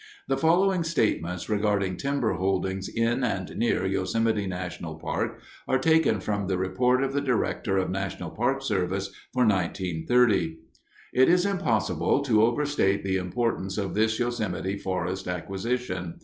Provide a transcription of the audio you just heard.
The following statements regarding timber holdings in and near Yosemite National Park are taken from the Report of the Director of National Park Service for 1930: It is impossible to overestimate the importance of this Yosemite forest acquisition.